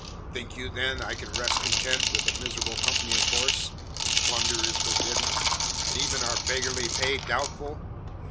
Think you, then, I can rest content with a miserable company of horse when plunder is forbidden, and even our beggarly pay doubtful?